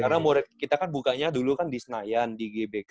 karena kita kan bukanya dulu kan di senayan di gbk